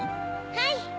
はい！